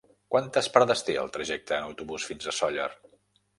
Quantes parades té el trajecte en autobús fins a Sóller?